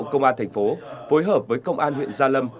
công an thành phố phối hợp với công an huyện gia lâm